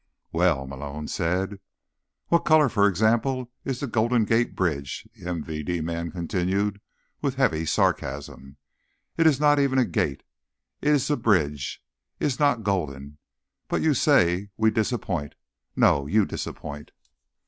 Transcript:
"Well—" Malone said. "What color, for example, is the Golden Gate Bridge?" the MVD man continued, with heavy sarcasm. "Is not even a gate. Is a bridge. Is not golden. But you say we disappoint. No. You disappoint."